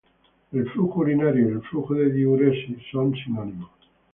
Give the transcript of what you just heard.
El "flujo urinario" y el "flujo de diuresis" son sinónimos.